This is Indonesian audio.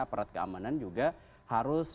aparat keamanan juga harus